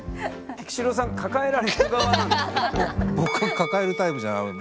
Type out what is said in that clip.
菊紫郎さん抱えられる側なんですね。